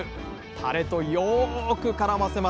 タレとよくからませます。